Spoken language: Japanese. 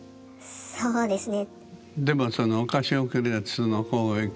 そうですね。